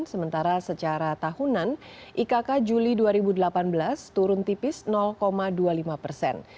sementara secara tahunan ikk juli dua ribu delapan belas turun tipis dua puluh lima persen